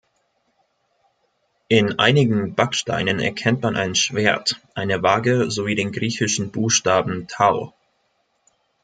In einigen Backsteinen erkennt man ein Schwert, eine Waage sowie den griechischen Buchstaben Tau.